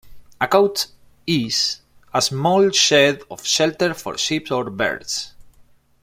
A "cote" is: A small shed or shelter for sheep or birds.